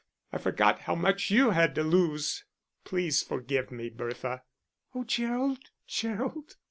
I forgot how much you had to lose. Please forgive me, Bertha." "Oh, Gerald, Gerald."